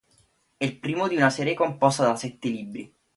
È il primo di una serie composta da sette libri.